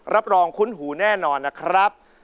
รับรองคุ้นหูแน่นอนนะครับ